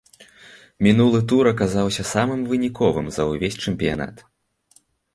Мінулы тур аказаўся самым выніковым за ўвесь чэмпіянат.